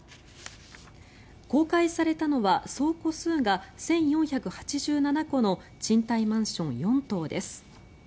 公開されたのは総戸数が１４８７戸の賃貸マンション４棟です。